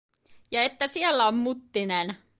Ja että siellä on Muttinen.